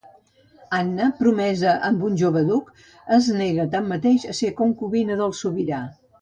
Anna, promesa amb un jove duc, es nega tanmateix a ser la concubina del sobirà.